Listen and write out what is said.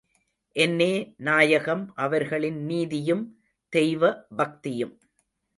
என்னே, நாயகம் அவர்களின் நீதியும், தெய்வ பக்தியும்!